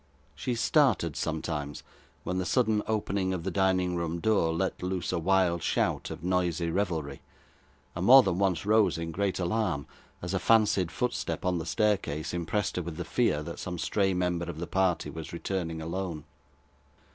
She started sometimes, when the sudden opening of the dining room door let loose a wild shout of noisy revelry, and more than once rose in great alarm, as a fancied footstep on the staircase impressed her with the fear that some stray member of the party was returning alone.